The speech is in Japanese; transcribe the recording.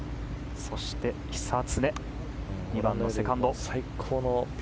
そして久常、２番のセカンド。